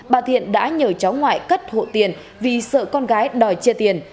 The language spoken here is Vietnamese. bà thiện đã nhờ cháu ngoại cất hộ tiền vì sợ con gái đòi chia tiền